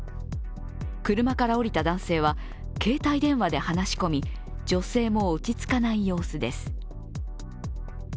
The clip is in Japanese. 車から降りた男性は携帯電話で話し込み女性も落ち着かない様子です。